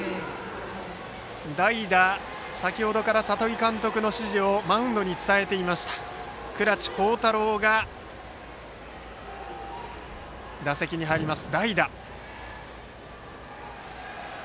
代打は先程から里井監督の指示をマウンドに伝えていました倉知幸太郎が打席に入ります。